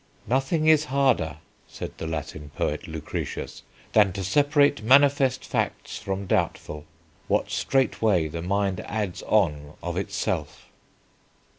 "Nothing is harder," said the Latin poet Lucretius, "than to separate manifest facts from doubtful, what straightway the mind adds on of itself."